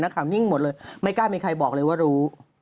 ข่าวนิ่งหมดเลยไม่กล้ามีใครบอกเลยว่ารู้